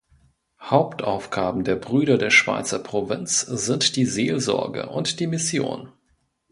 Hauptaufgaben der Brüder der Schweizer Provinz sind die Seelsorge und die Mission.